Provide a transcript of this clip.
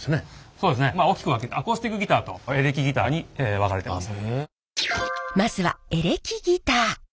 そうですね大きく分けてアコースティックギターとエレキギターに分かれてます。